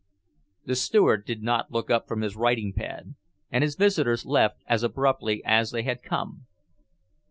The Steward did not look up from his writing pad, and his visitors left as abruptly as they had come.